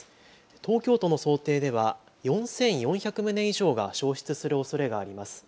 東京都の想定では４４００棟以上が焼失するおそれがあります。